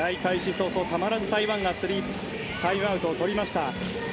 早々たまらず台湾がタイムアウトを取りました。